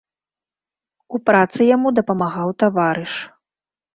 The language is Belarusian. У працы яму дапамагаў таварыш.